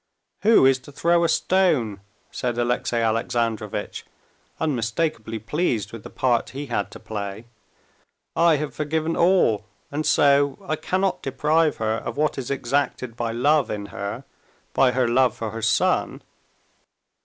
"Who is to throw a stone?" said Alexey Alexandrovitch, unmistakably pleased with the part he had to play. "I have forgiven all, and so I cannot deprive her of what is exacted by love in her—by her love for her son...."